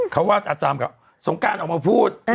เขาว่าอาทรมาค์กล้าวสงการออกมาพูด